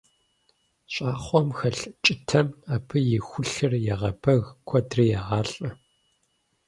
Щӏакхъуэм хэлъ кӀытэм абы и хулъэр егъэбэг, куэдри егъалӀэ.